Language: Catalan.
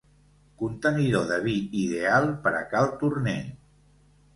Contenidor de vi ideal per a cal Turner.